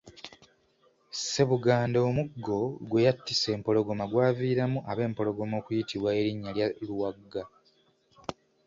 Ssebuganda omuggo gwe yattisa empologoma gwaviiramu ab’empologoma okuyitibwa erinnya erya Luwaga.